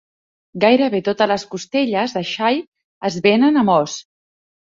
Gairebé totes les costelles de xai es venen amb os.